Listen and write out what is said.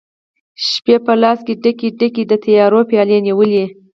شپي په لاس کې ډکي، ډکي، د تیارو پیالې نیولي